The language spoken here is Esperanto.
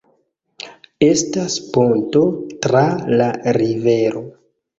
Estas ponto tra la rivero.